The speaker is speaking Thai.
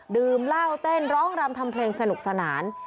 ดื่มเหล้าเต้นร้องรำทำเพลงสนุกสนาน